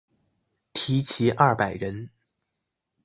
缇骑二百人。